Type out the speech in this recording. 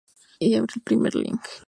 Incluso en momentos de calma.